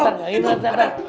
yang ini liat setan